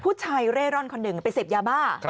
ผู้ชายเร่ร่อนคนหนึ่งไปเสพยาบ้า